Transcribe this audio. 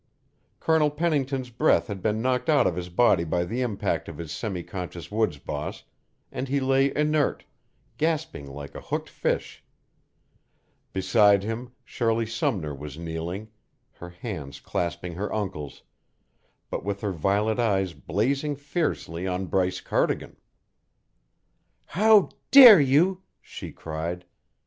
Colonel Pennington's breath had been knocked out of his body by the impact of his semi conscious woods boss, and he lay inert, gasping like a hooked fish. Beside him Shirley Sumner was kneeling, her hands clasping her uncle's, but with her violet eyes blazing fiercely on Bryce Cardigan. "How dare you?" she cried.